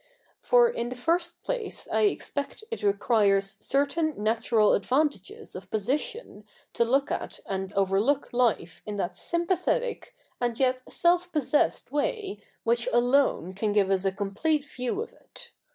For in the first place I expect it requires certain natural advantages of position to look at and overlook life in that sympathetic and yet self possessed way which alone can give us a complete view of it.